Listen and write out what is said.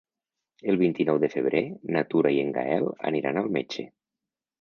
El vint-i-nou de febrer na Tura i en Gaël aniran al metge.